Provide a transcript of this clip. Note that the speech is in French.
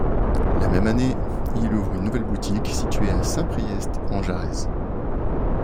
La même année, il ouvre une nouvelle boutique située à Saint-Priest-en-Jarez.